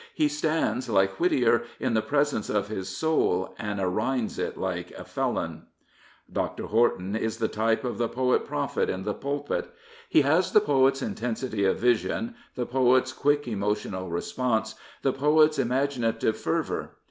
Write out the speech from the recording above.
He stands, like Whittier, in the presence of his soul and arr^ns it like a felon. Dr. Horton is the type of the poet prophet in the pulpit. He has the poet's intensity of vision, the poet's quick emotional response, the poet's imagina tive fervour.